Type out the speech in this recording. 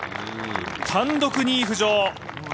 単独２位浮上。